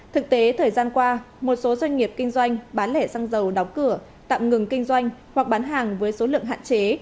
thực tế thời gian qua một số doanh nghiệp kinh doanh bán lẻ xăng dầu đóng cửa tạm ngừng kinh doanh hoặc bán hàng với số lượng hạn chế